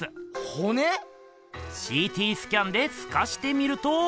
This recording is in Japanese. ほね⁉ＣＴスキャンですかしてみるとほら。